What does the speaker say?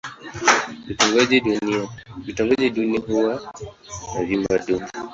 Vitongoji duni huwa na vyumba duni.